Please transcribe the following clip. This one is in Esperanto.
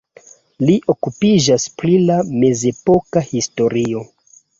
Li okupiĝas pri la mezepoka historio.